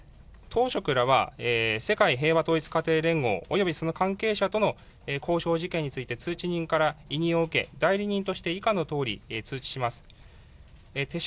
当職らは、世界平和統一家庭連合、およびその関係者とのこうしょう事件について、通知人から委任を受け、代理人として以下のとおり通知します。